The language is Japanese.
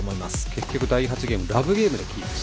結局、第８ゲームはラブゲームキープ。